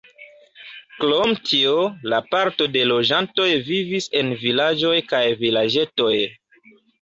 Krom tio, la parto de loĝantoj vivis en vilaĝoj kaj vilaĝetoj.